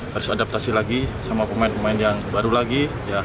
harus adaptasi lagi sama pemain pemain yang baru lagi